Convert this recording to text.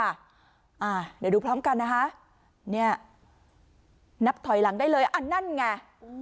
อ่าเดี๋ยวดูพร้อมกันนะคะเนี่ยนับถอยหลังได้เลยอ่ะนั่นไง